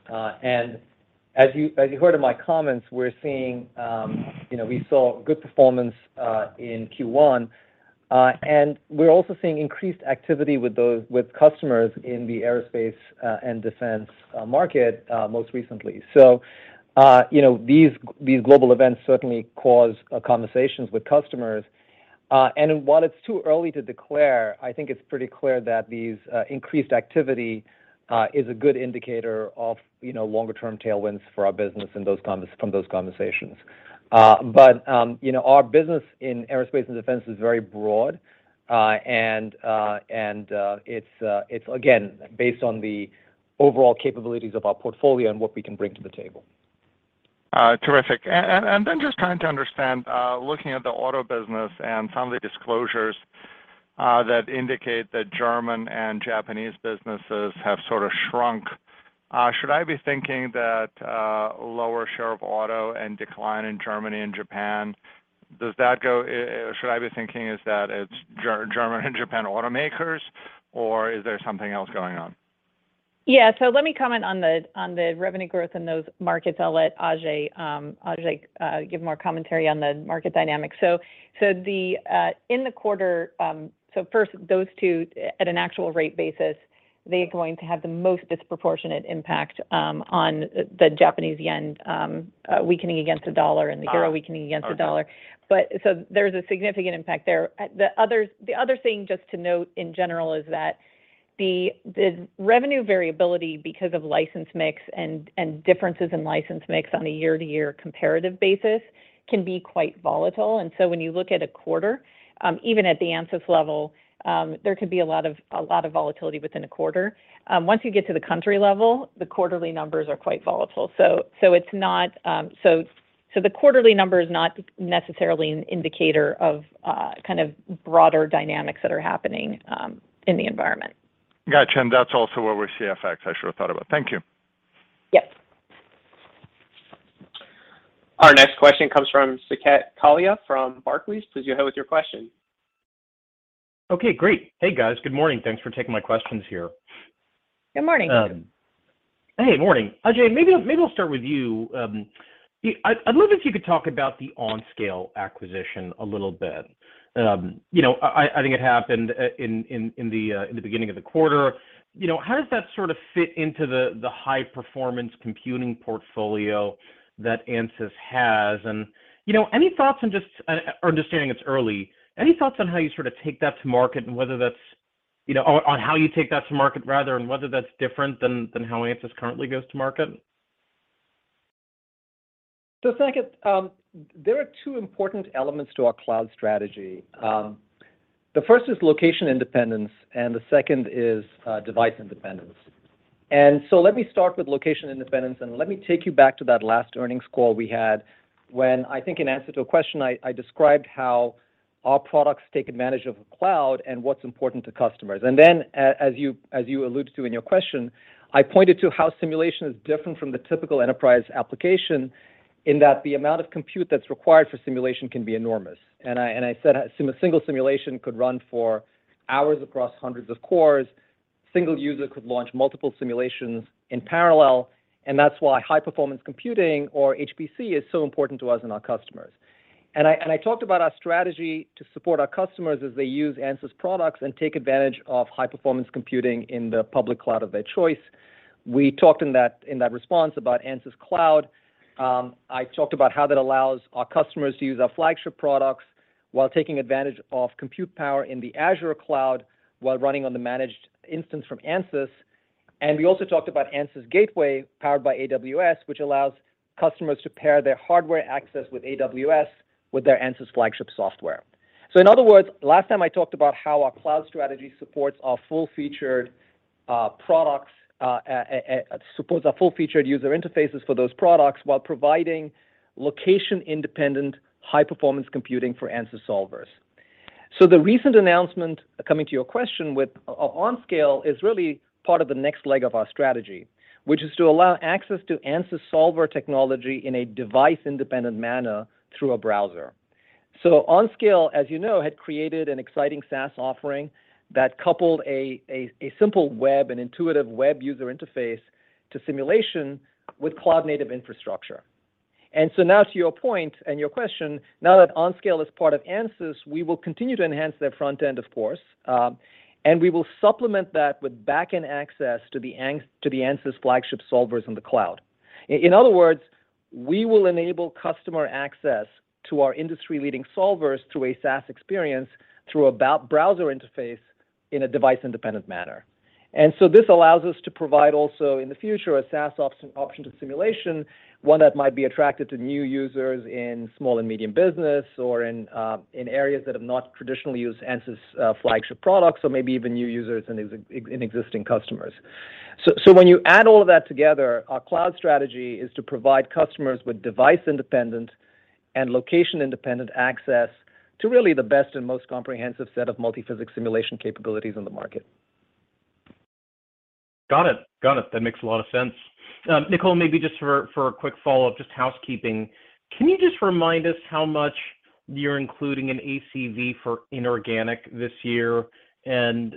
As you heard in my comments, we're seeing you know, we saw good performance in Q1, and we're also seeing increased activity with customers in the aerospace and defense market most recently. These global events certainly cause conversations with customers. While it's too early to declare, I think it's pretty clear that these increased activity is a good indicator of you know, longer term tailwinds for our business from those conversations. Our business in aerospace and defense is very broad and it is again based on the overall capabilities of our portfolio and what we can bring to the table. Terrific. Just trying to understand, looking at the auto business and some of the disclosures that indicate that German and Japanese businesses have sort of shrunk, should I be thinking that lower share of auto and decline in Germany and Japan, should I be thinking is that it's German and Japan automakers, or is there something else going on? Yeah. Let me comment on the revenue growth in those markets. I'll let Ajei give more commentary on the market dynamics. In the quarter, first those two at an actual rate basis, they're going to have the most disproportionate impact on the Japanese yen weakening against the dollar and the euro weakening against the dollar. Okay. There's a significant impact there. The other thing just to note in general is that the revenue variability because of license mix and differences in license mix on a year-to-year comparative basis can be quite volatile. When you look at a quarter, even at the Ansys level, there could be a lot of volatility within a quarter. Once you get to the country level, the quarterly numbers are quite volatile. The quarterly number is not necessarily an indicator of kind of broader dynamics that are happening in the environment. Gotcha. That's also where we see FX, I should have thought about. Thank you. Yep. Our next question comes from Saket Kalia from Barclays. Please go ahead with your question. Okay, great. Hey guys. Good morning. Thanks for taking my questions here. Good morning. Hey. Morning. Ajei, maybe I'll start with you. I'd love if you could talk about the OnScale acquisition a little bit. You know, I think it happened in the beginning of the quarter. You know, how does that sort of fit into the high performance computing portfolio that Ansys has? You know, any thoughts on just understanding it's early, any thoughts on how you sort of take that to market and whether that's, you know, or on how you take that to market rather, and whether that's different than how Ansys currently goes to market? Saket, there are two important elements to our cloud strategy. The first is location independence, and the second is device independence. Let me start with location independence, and let me take you back to that last earnings call we had when I think in answer to a question, I described how our products take advantage of the cloud and what's important to customers. As you alluded to in your question, I pointed to how simulation is different from the typical enterprise application in that the amount of compute that's required for simulation can be enormous. I said a single simulation could run for hours across hundreds of cores. A single user could launch multiple simulations in parallel, and that's why high performance computing or HPC is so important to us and our customers. I talked about our strategy to support our customers as they use Ansys products and take advantage of high-performance computing in the public cloud of their choice. We talked in that response about Ansys Cloud. I talked about how that allows our customers to use our flagship products while taking advantage of compute power in the Azure cloud while running on the managed instance from Ansys. We also talked about Ansys Gateway powered by AWS, which allows customers to pair their hardware access with AWS with their Ansys flagship software. In other words, last time I talked about how our cloud strategy supports our full-featured user interfaces for those products while providing location-independent, high-performance computing for Ansys solvers. The recent announcement, coming to your question with OnScale, is really part of the next leg of our strategy, which is to allow access to Ansys solver technology in a device-independent manner through a browser. OnScale, as you know, had created an exciting SaaS offering that coupled a simple web and intuitive web user interface to simulation with cloud-native infrastructure. Now to your point and your question, now that OnScale is part of Ansys, we will continue to enhance their front end of course, and we will supplement that with back-end access to the Ansys flagship solvers in the cloud. In other words, we will enable customer access to our industry-leading solvers through a SaaS experience through a browser interface in a device-independent manner. This allows us to provide also in the future a SaaS option to simulation, one that might be attractive to new users in small and medium business or in areas that have not traditionally used Ansys's flagship products, so maybe even new users and existing customers. When you add all of that together, our cloud strategy is to provide customers with device-independent and location-independent access to really the best and most comprehensive set of multi-physics simulation capabilities in the market. Got it. That makes a lot of sense. Nicole, maybe just for a quick follow-up, just housekeeping, can you just remind us how much you're including in ACV for inorganic this year and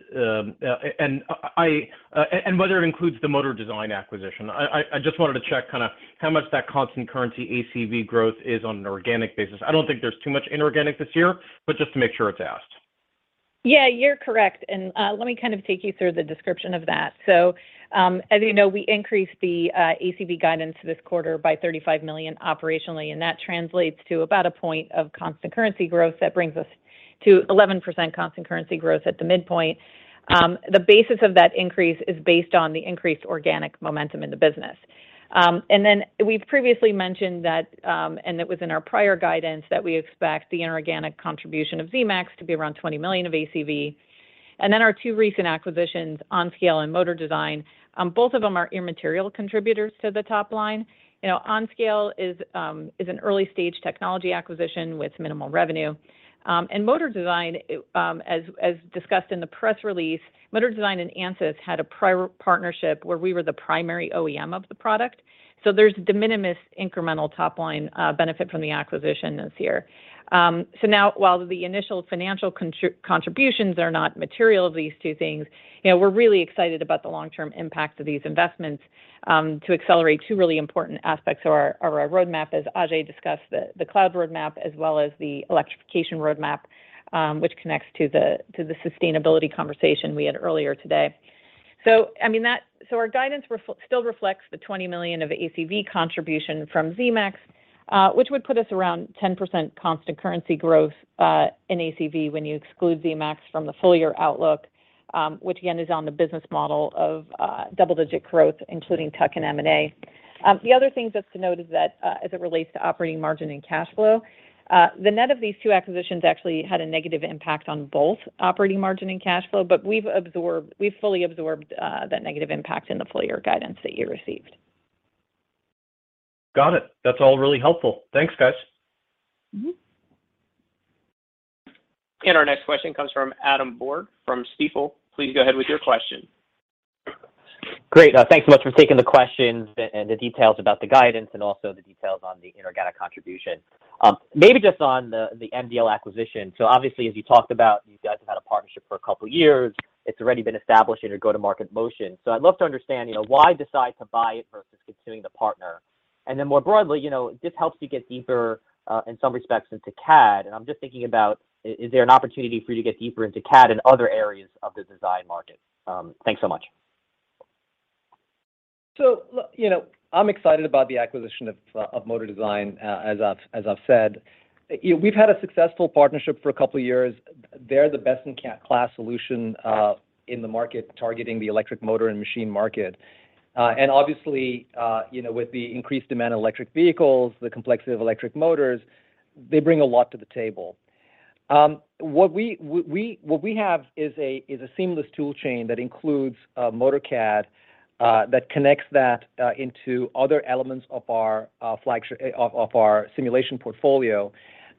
whether it includes the Motor Design acquisition? I just wanted to check kind of how much that constant currency ACV growth is on an organic basis. I don't think there's too much inorganic this year, but just to make sure it's asked. Yeah, you're correct, and let me kind of take you through the description of that. As you know, we increased the ACV guidance this quarter by $35 million operationally, and that translates to about a point of constant currency growth that brings us to 11% constant currency growth at the midpoint. The basis of that increase is based on the increased organic momentum in the business. We've previously mentioned that, and it was in our prior guidance, that we expect the inorganic contribution of Zemax to be around $20 million of ACV. Our two recent acquisitions, OnScale and Motor Design, both of them are immaterial contributors to the top line. You know, OnScale is an early-stage technology acquisition with minimal revenue. Motor Design, as discussed in the press release, Motor Design and Ansys had a partnership where we were the primary OEM of the product. There's de minimis incremental top-line benefit from the acquisitions here. Now while the initial financial contributions are not material to these two things, you know, we're really excited about the long-term impact of these investments to accelerate two really important aspects of our roadmap, as Ajei discussed, the cloud roadmap as well as the electrification roadmap, which connects to the sustainability conversation we had earlier today. I mean, our guidance still reflects the $20 million of ACV contribution from Zemax, which would put us around 10% constant currency growth in ACV when you exclude Zemax from the full year outlook, which again is on the business model of double-digit growth, including tuck-in and M&A. The other thing just to note is that, as it relates to operating margin and cash flow, the net of these two acquisitions actually had a negative impact on both operating margin and cash flow, but we've fully absorbed that negative impact in the full year guidance that you received. Got it. That's all really helpful. Thanks, guys. Mm-hmm. Our next question comes from Adam Borg from Stifel. Please go ahead with your question. Great. Thanks so much for taking the questions and the details about the guidance and also the details on the inorganic contribution. Maybe just on the MDL acquisition. Obviously, as you talked about, you guys have had a partnership for a couple of years. It's already been established in your go-to-market motion. I'd love to understand, you know, why decide to buy it versus continuing to partner? More broadly, you know, this helps you get deeper in some respects into CAD. I'm just thinking about, is there an opportunity for you to get deeper into CAD and other areas of the design market? Thanks so much. Look, you know, I'm excited about the acquisition of Motor Design, as I've said. You know, we've had a successful partnership for a couple of years. They're the best-in-class solution in the market, targeting the electric motor and machine market. And obviously, you know, with the increased demand in electric vehicles, the complexity of electric motors, they bring a lot to the table. What we have is a seamless tool chain that includes Motor-CAD that connects that into other elements of our flagship of our simulation portfolio.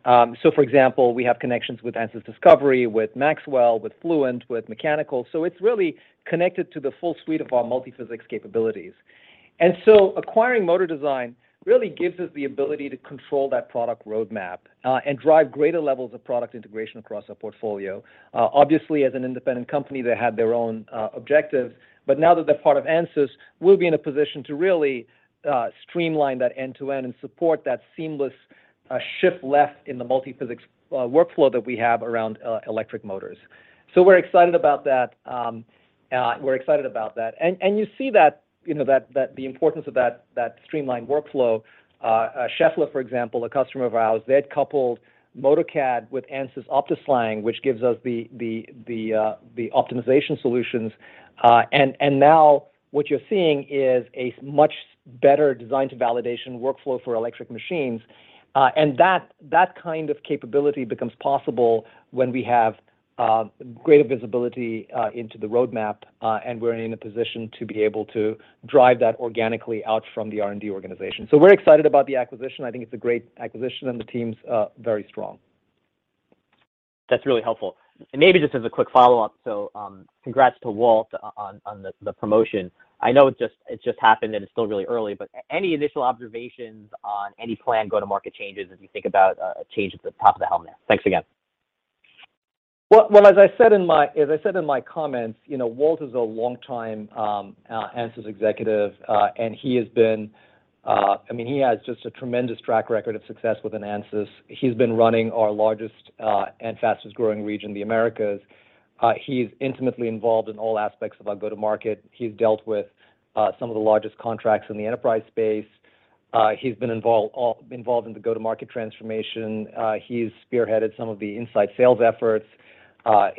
So for example, we have connections with Ansys Discovery, with Maxwell, with Fluent, with Mechanical. It's really connected to the full suite of our multi-physics capabilities. Acquiring Motor Design really gives us the ability to control that product roadmap, and drive greater levels of product integration across our portfolio. Obviously, as an independent company, they had their own objectives, but now that they're part of Ansys, we'll be in a position to really streamline that end-to-end and support that seamless shift left in the multi-physics workflow that we have around electric motors. We're excited about that. You see that, you know, the importance of that streamlined workflow. Schaeffler, for example, a customer of ours, they had coupled Motor-CAD with Ansys optiSLang, which gives us the optimization solutions. Now what you're seeing is a much better design to validation workflow for electric machines. That kind of capability becomes possible when we have greater visibility into the roadmap, and we're in a position to be able to drive that organically out from the R&D organization. We're excited about the acquisition. I think it's a great acquisition, and the team's very strong. That's really helpful. Maybe just as a quick follow-up, congrats to Walt Hearn on the promotion. I know it just happened, and it's still really early, but any initial observations on any planned go-to-market changes as you think about changes at the helm now? Thanks again. Well, as I said in my comments, you know, Walt is a longtime Ansys executive. I mean, he has just a tremendous track record of success within Ansys. He's been running our largest and fastest-growing region, the Americas. He's intimately involved in all aspects of our go-to-market. He's dealt with some of the largest contracts in the enterprise space. He's been involved in the go-to-market transformation. He's spearheaded some of the inside sales efforts.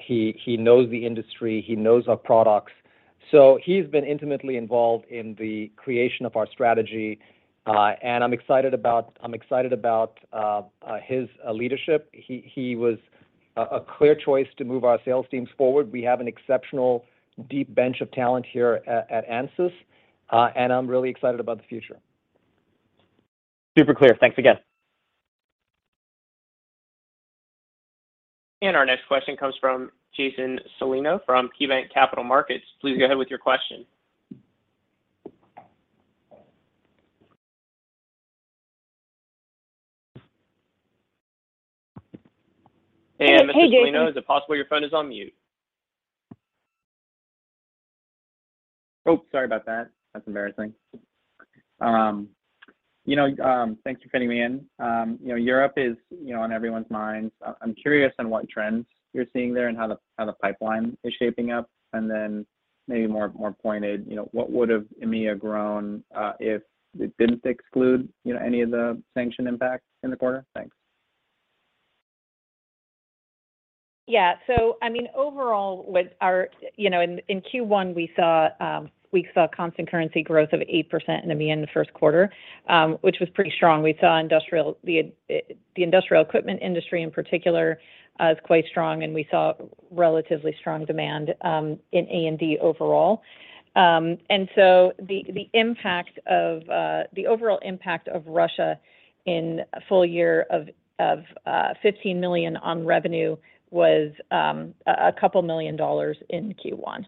He knows the industry, he knows our products. So he's been intimately involved in the creation of our strategy, and I'm excited about his leadership. He was a clear choice to move our sales teams forward. We have an exceptional deep bench of talent here at Ansys, and I'm really excited about the future. Super clear. Thanks again. Our next question comes from Jason Celino from KeyBanc Capital Markets. Please go ahead with your question. Hey, Jason. Hey, Mr. Celino, is it possible your phone is on mute? Oh, sorry about that. That's embarrassing. You know, thanks for fitting me in. You know, Europe is, you know, on everyone's minds. I'm curious on what trends you're seeing there and how the pipeline is shaping up. Then maybe more pointed, you know, what would've EMEA grown, if it didn't exclude, you know, any of the sanctions impact in the quarter? Thanks. I mean, overall with our, you know, in Q1, we saw constant currency growth of 8% in EMEA in Q1, which was pretty strong. We saw the industrial equipment industry in particular as quite strong, and we saw relatively strong demand in A&D overall. The overall impact of Russia in a full year of $15 million on revenue was a couple million dollars in Q1.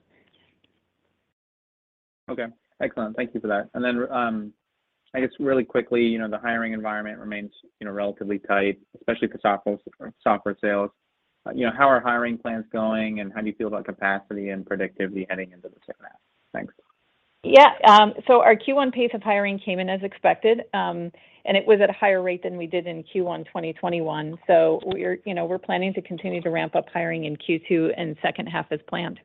Okay. Excellent. Thank you for that. I guess really quickly, you know, the hiring environment remains, you know, relatively tight, especially for software sales. You know, how are hiring plans going, and how do you feel about capacity and productivity heading into the second half? Thanks. Our Q1 pace of hiring came in as expected, and it was at a higher rate than we did in Q1 2021. We're, you know, planning to continue to ramp up hiring in Q2 and second half as planned.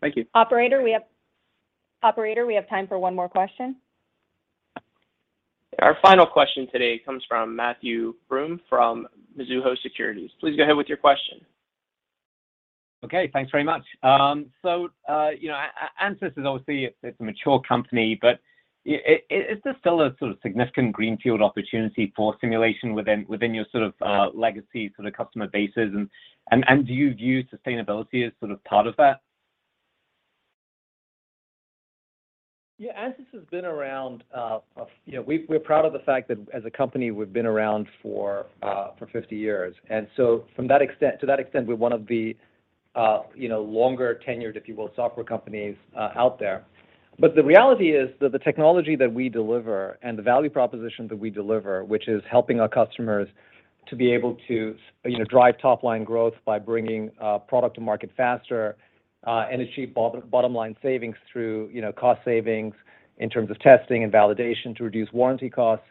Thank you. Operator, we have time for one more question. Our final question today comes from Matthew Broome from Mizuho Securities. Please go ahead with your question. Thanks very much. You know, Ansys is obviously a mature company, but is there still a sort of significant greenfield opportunity for simulation within your sort of legacy sort of customer bases? Do you view sustainability as sort of part of that? Yeah. Ansys has been around, you know, we're proud of the fact that as a company we've been around for 50 years. From that extent, we're one of the, you know, longer tenured, if you will, software companies out there. The reality is that the technology that we deliver and the value proposition that we deliver, which is helping our customers to be able to, you know, drive top-line growth by bringing product to market faster, and achieve bottom-line savings through, you know, cost savings in terms of testing and validation to reduce warranty costs,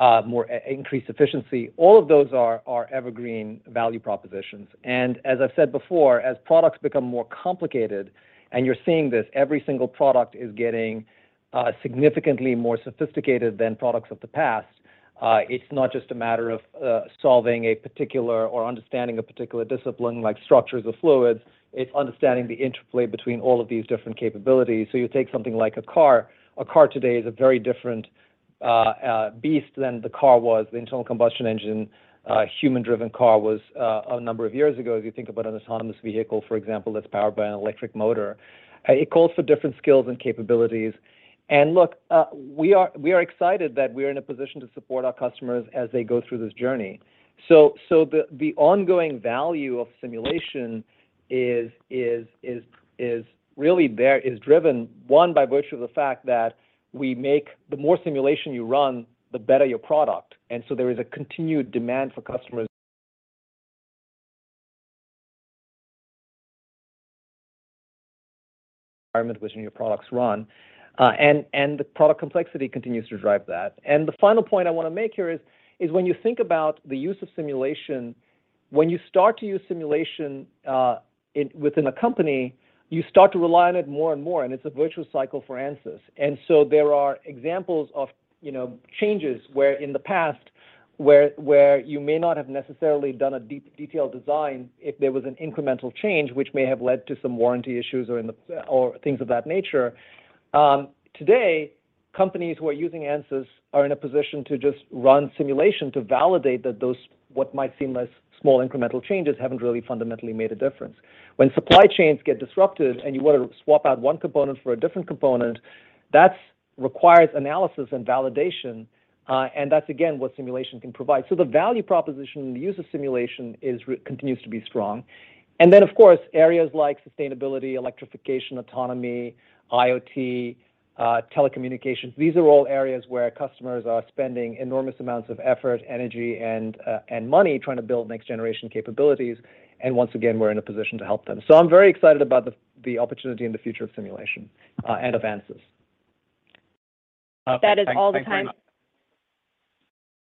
more increase efficiency, all of those are evergreen value propositions. As I've said before, as products become more complicated, and you're seeing this, every single product is getting significantly more sophisticated than products of the past. It's not just a matter of solving a particular or understanding a particular discipline like structures or fluids, it's understanding the interplay between all of these different capabilities. You take something like a car. A car today is a very different beast than the car was, the internal combustion engine human-driven car was a number of years ago. As you think about an autonomous vehicle, for example, that's powered by an electric motor, it calls for different skills and capabilities. Look, we are excited that we're in a position to support our customers as they go through this journey. The ongoing value of simulation is really there. It is driven by virtue of the fact that we make the more simulation you run, the better your product. There is a continued demand for the customer's environment within which your products run. The product complexity continues to drive that. The final point I wanna make here is when you think about the use of simulation, when you start to use simulation within a company, you start to rely on it more and more, and it's a virtuous cycle for Ansys. There are examples of, you know, changes where in the past where you may not have necessarily done a detailed design if there was an incremental change, which may have led to some warranty issues or things of that nature. Today, companies who are using Ansys are in a position to just run simulation to validate that those, what might seem as small incremental changes, haven't really fundamentally made a difference. When supply chains get disrupted, and you wanna swap out one component for a different component, that requires analysis and validation, and that's again what simulation can provide. The value proposition, the use of simulation continues to be strong. Of course, areas like sustainability, electrification, autonomy, IoT, telecommunications, these are all areas where customers are spending enormous amounts of effort, energy, and money trying to build next generation capabilities, and once again, we're in a position to help them. I'm very excited about the opportunity and the future of simulation and of Ansys. Perfect. Thanks. Thanks very much.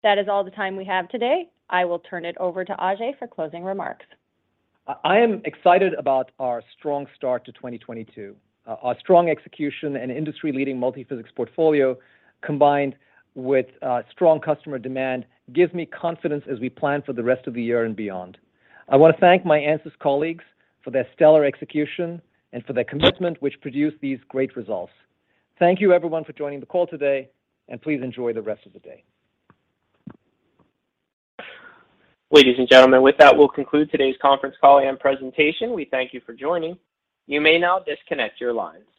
That is all the time we have today. I will turn it over to Ajei for closing remarks. I am excited about our strong start to 2022. Our strong execution and industry-leading multiphysics portfolio, combined with strong customer demand, gives me confidence as we plan for the rest of the year and beyond. I wanna thank my Ansys colleagues for their stellar execution and for their commitment, which produced these great results. Thank you everyone for joining the call today, and please enjoy the rest of the day. Ladies and gentlemen, with that, we'll conclude today's conference call and presentation. We thank you for joining. You may now disconnect your line.